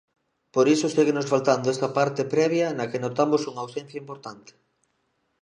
Por iso séguenos faltando esa parte previa na que notamos unha ausencia importante.